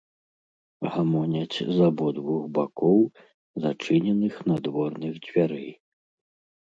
Гамоняць з абодвух бакоў зачыненых надворных дзвярэй.